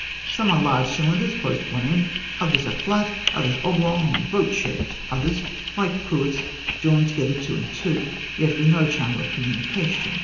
Some are large cylinders closed at one end; others are flat; others oblong and boat shaped; others, like cruets, joined together two and two, yet with no channel of communication (fig.